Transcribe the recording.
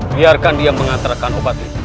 biarkan dia mengantarkan obat itu